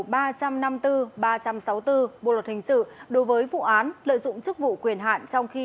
ba trăm sáu mươi bốn bộ luật hình sự đối với vụ án lợi dụng chức vụ quyền hạn trong khi